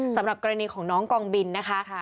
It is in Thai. สำหรับกรณีของน้องกองบินนะคะ